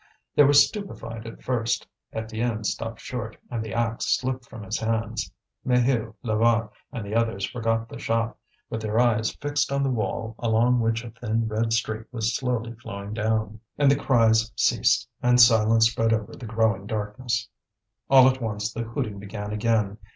They were stupefied at first. Étienne stopped short, and the axe slipped from his hands. Maheu, Levaque, and the others forgot the shop, with their eyes fixed on the wall along which a thin red streak was slowly flowing down. And the cries ceased, and silence spread over the growing darkness. All at once the hooting began again.